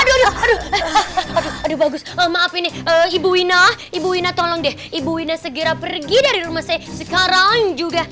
aduh aduh bagus maaf ini ibu wina ibu wina tolong deh ibu wina segera pergi dari rumah saya sekarang juga